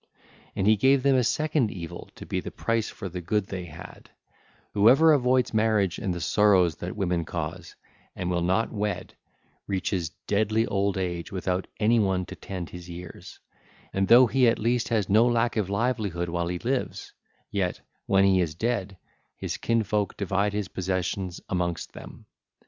And he gave them a second evil to be the price for the good they had: whoever avoids marriage and the sorrows that women cause, and will not wed, reaches deadly old age without anyone to tend his years, and though he at least has no lack of livelihood while he lives, yet, when he is dead, his kinsfolk divide his possessions amongst them.